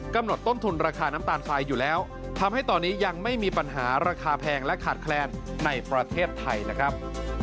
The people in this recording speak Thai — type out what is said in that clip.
กำหนดต้นทุนราคาน้ำตาลทรายอยู่แล้วทำให้ตอนนี้ยังไม่มีปัญหาราคาแพงและขาดแคลนในประเทศไทยนะครับ